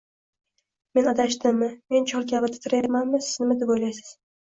Men adashdimmi? Men chol kabi titrayapmanmi? Siz nima deb o'ylaysiz?